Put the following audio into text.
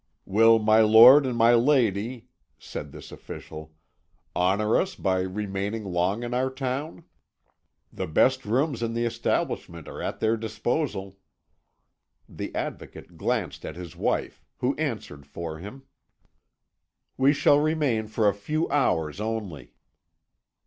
"Will my lord and my lady," said this official, "honour us by remaining long in our town? The best rooms in the establishment are at their disposal." The Advocate glanced at his wife, who answered for him: "We shall remain for a few hours only."